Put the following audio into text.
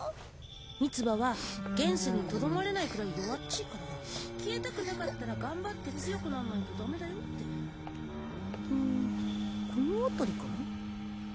ミツバは現世にとどまれないくらい弱っちいから消えたくなかったら頑張って強くなんないとダメだよってうーんこのあたりかな？